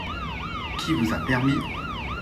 Qui vous a permis ?…